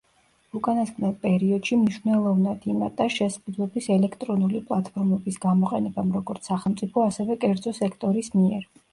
უკანასკნელ პერიოდში მნიშვნელოვნად იმატა შესყიდვების ელექტრონული პლატფორმების გამოყენებამ როგორც სახელმწიფო, ასევე კერძო სექტორის მიერ.